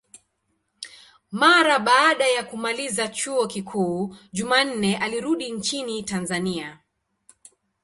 Mara baada ya kumaliza chuo kikuu, Jumanne alirudi nchini Tanzania.